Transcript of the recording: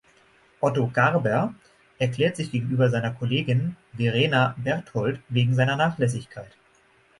Otto Garber erklärt sich gegenüber seiner Kollegin Verena Berthold wegen seiner Nachlässigkeit.